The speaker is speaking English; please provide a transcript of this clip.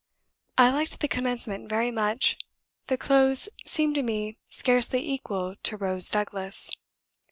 I liked the commencement very much; the close seemed to me scarcely equal to 'Rose Douglas.'